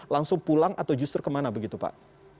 langsung pulang atau justru kemana begitu pak